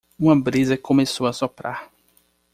Uma brisa começou a soprar.